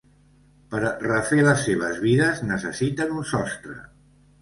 Per refer les seves vides necessiten un sostre.